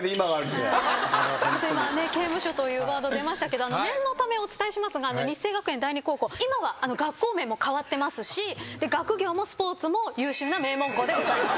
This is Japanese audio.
今ね刑務所というワード出ましたけど念のためお伝えしますが日生学園第二高校今は学校名も変わってますし学業もスポーツも。